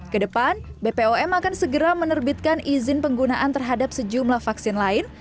kedepan bpom akan segera menerbitkan izin penggunaan terhadap sejumlah vaksin lain